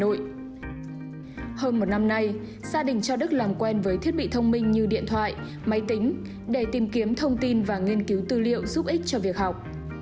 tuy nhiên gia đình cho đức làm quen với thiết bị thông minh như điện thoại máy tính để tìm kiếm thông tin và nghiên cứu tư liệu giúp ích cho việc học